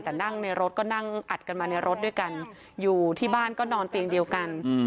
แต่นั่งในรถก็นั่งอัดกันมาในรถด้วยกันอยู่ที่บ้านก็นอนเตียงเดียวกัน